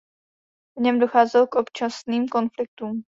V něm docházelo k občasným konfliktům.